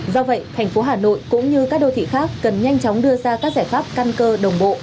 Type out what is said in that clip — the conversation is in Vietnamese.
do vậy thành phố hà nội cũng như các đô thị khác cần nhanh chóng đưa ra các giải pháp căn cơ đồng bộ